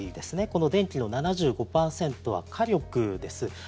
この電気の７５％は火力です。